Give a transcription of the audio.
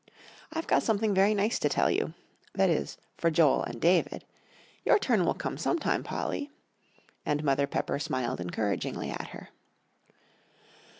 "I've got something very nice to tell you that is, for Joel and David. Your turn will come sometime, Polly," and Mother Pepper smiled encouragingly at her.